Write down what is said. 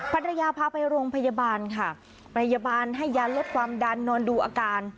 ภรรยาพาไปโรงพยาบาลค่ะพยาบาลให้ยาลดความดันนอนดูอาการ